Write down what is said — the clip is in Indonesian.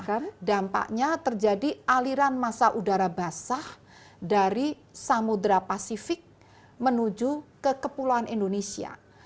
karena dampaknya terjadi aliran masa udara basah dari samudera pasifik menuju ke kepulauan indonesia